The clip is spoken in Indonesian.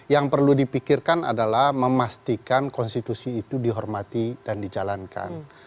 yang perlu dipikirkan adalah memastikan konstitusi itu dihormati dan dijalankan